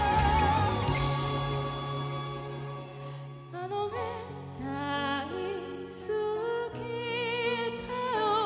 「あのね大好きだよ」